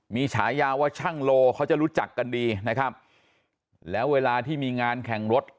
มีฉายาว่าช่างโลเขาจะรู้จักกันดีนะครับแล้วเวลาที่มีงานแข่งรถ